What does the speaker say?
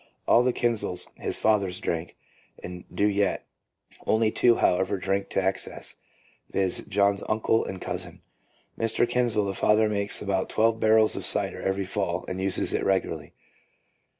All the Kinsels (his father's family) drank, and do yet; only two, however, drink to excess — viz., John's uncle and cousin. Mr. Kinsel, the father, makes about twelve barrels of cider every fall, and uses it regularly.